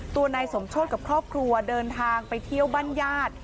นายสมโชธกับครอบครัวเดินทางไปเที่ยวบ้านญาติ